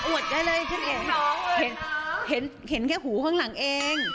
อวดได้เลยฉันเองเห็นแค่หูข้างหลังเอง